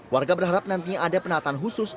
warga berharap nantinya ada penataan khusus